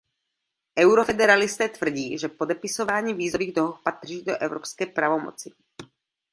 Eurofederalisté tvrdí, že podepisování vízových dohod patří do evropské pravomoci.